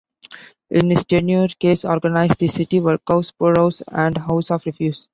In his tenure, Case organized the city workhouse, poorhouse, and house of refuge.